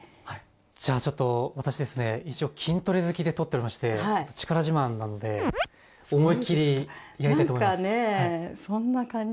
じゃあちょっと私ですね一応筋トレ好きで通っておりまして力自慢なので思いっきりやりたいと思います。